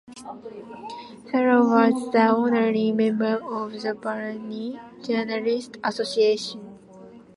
Sayyar was the honorary member of the Bahraini Journalists Association.